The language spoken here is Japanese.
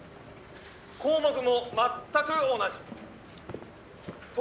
項目も全く同じ」